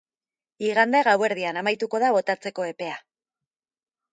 Igande gauerdian amaituko da botatzeko epea.